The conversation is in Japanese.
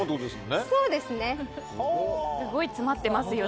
すごい詰まってますよ